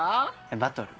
バトル？